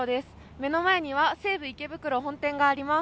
目の前には西武池袋本店があります。